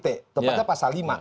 tepatnya pasal lima